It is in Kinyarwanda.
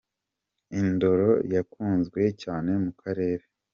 Indoro ya kunzwe cyane mu karere